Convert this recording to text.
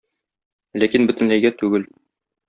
Ләкин бөтенләйгә түгел.